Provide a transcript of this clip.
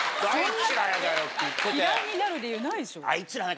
嫌いになる理由ないでしょ。